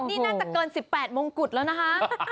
นี่น่าจะเกิน๑๘มงกุฎแล้วนะคะ